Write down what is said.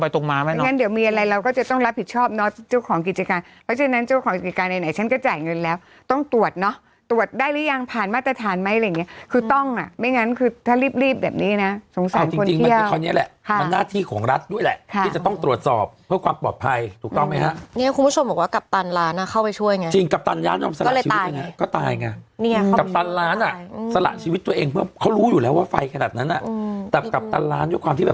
ถ้ารีบแบบนี้นะสงสารคนเที่ยวอ่ะจริงคนนี้แหละมันหน้าที่ของรัฐด้วยแหละที่จะต้องตรวจสอบเพื่อความปลอดภัยถูกต้องไหมฮะเนี่ยคุณผู้ชมบอกว่ากัปตันร้านเข้าไปช่วยไงจริงกัปตันร้านก็ตายไงกัปตันร้านอ่ะสละชีวิตตัวเองเพราะเขารู้อยู่แล้วว่าไฟขนาดนั้นอ่ะแต่กัปตันร้านยกความที่แบ